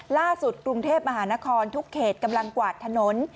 กรุงเทพมหานครทุกเขตกำลังกวาดถนน